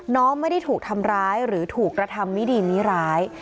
ไม่ได้ถูกทำร้ายหรือถูกกระทำมิดีมิร้าย